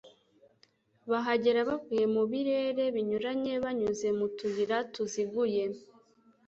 Bahagera bavuye mu birere binyuranye banyuze mu tuyira tuziguye,